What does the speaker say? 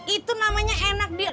itu namanya enak dia